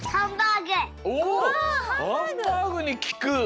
おおハンバーグにきく！